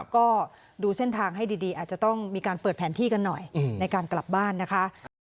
ก็ดูเส้นทางให้ดีอาจจะต้องมีการเปิดแผนที่กันหน่อยในการกลับบ้านนะคะ